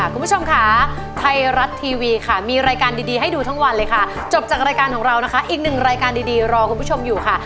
คุณผู้ชมค่ะไทยรัฐทีวีค่ะมีรายการดีให้ดูทั้งวันเลยค่ะจบจากรายการของเรานะคะอีกหนึ่งรายการดีรอคุณผู้ชมอยู่ค่ะ